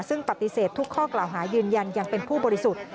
ซึ่งปฏิเสธทุกข้อกล่าวหายืนยันยังเป็นผู้บริสุทธิ์